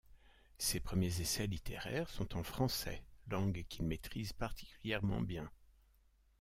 Ses premiers essais littéraires sont en français, langue qu'il maîtrise particulièrement bien.